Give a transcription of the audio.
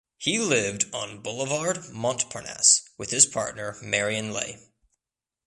He lived on Boulevard Montparnasse with his partner Marion Leigh.